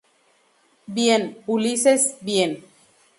bien, Ulises, bien.